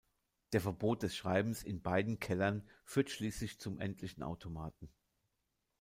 Das Verbot des Schreibens in beiden Kellern führt schließlich zum endlichen Automaten.